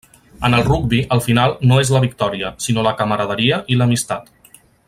En el rugbi el final no és la victòria, sinó la camaraderia i l'amistat.